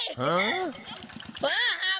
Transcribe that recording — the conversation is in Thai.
ย่าดาวเก่าอีกย้า